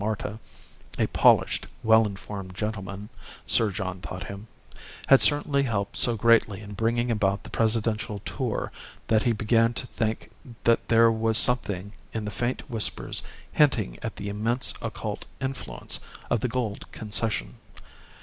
Marta (a polished, well informed gentleman, Sir John thought him) had certainly helped so greatly in bringing about the presidential tour that he began to think that there was something in the faint whispers hinting at the immense occult influence of the Gould Concession.